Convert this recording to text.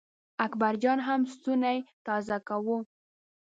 اکبر جان هم ستونی تازه کاوه.